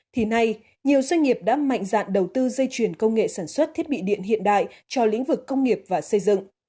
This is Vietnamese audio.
thì nay nhiều doanh nghiệp đã mạnh dạn đầu tư dây chuyền công nghệ sản xuất thiết bị điện hiện đại cho lĩnh vực công nghiệp và xây dựng